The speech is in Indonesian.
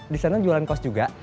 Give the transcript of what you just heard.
desainnya jualan kaos juga